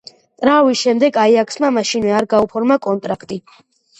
ტრავმის შემდეგ „აიაქსმა“ მაშინვე არ გაუფორმა კონტრაქტი.